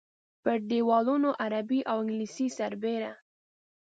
پر دیوالونو عربي او انګلیسي سربېره.